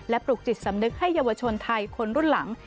ปลุกจิตสำนึกให้เยาวชนไทยคนรุ่นหลัง